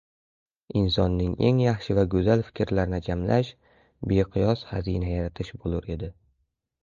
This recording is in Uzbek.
Insonning eng yaxshi va go‘zal fikrlarini jamlash beqiyos xazina yaratish bo‘lur edi.